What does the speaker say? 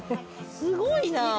すごいな。